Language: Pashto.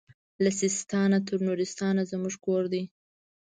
له سیستان تر نورستانه زموږ کور دی